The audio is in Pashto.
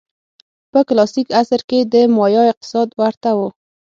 په کلاسیک عصر کې د مایا اقتصاد ورته و.